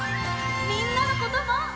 みんなのことも。